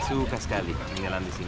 dia juga memilih tinggal di biak